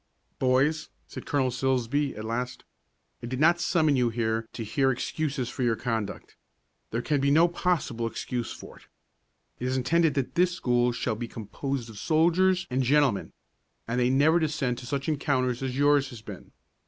"Boys," said Colonel Silsbee at last, "I did not summon you here to hear excuses for your conduct. There can be no possible excuse for it. It is intended that this school shall be composed of soldiers and gentlemen, and they never descend to such encounters as yours has been.